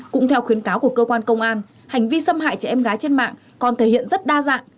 cũng theo khuyến cáo của cơ quan công an hành vi xâm hại trẻ em gái trên mạng còn thể hiện rất đa dạng